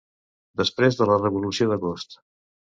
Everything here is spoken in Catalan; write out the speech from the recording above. Després de la Revolució d'agost.